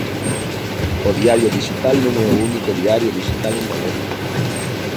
O diario dixital non é único diario dixital en galego.